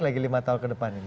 lagi lima tahun ke depan ini